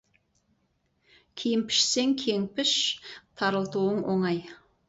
Киім пішсең, кең піш, тарылтуың оңай.